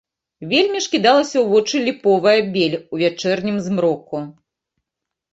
Вельмі ж кідалася ў вочы ліповая бель у вячэрнім змроку!